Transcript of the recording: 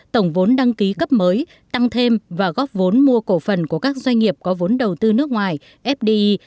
tổng vốn đăng ký cấp mới tăng thêm và góp vốn mua cổ phần của các doanh nghiệp có vốn đầu tư nước ngoài fdi